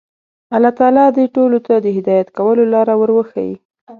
الله تعالی دې ټولو ته د هدایت کولو لاره ور وښيي.